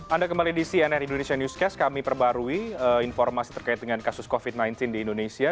anda kembali di cnn indonesia newscast kami perbarui informasi terkait dengan kasus covid sembilan belas di indonesia